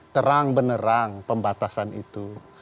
terang benerang pembatasan itu